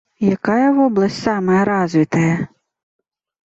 Якая вобласць самая развітая?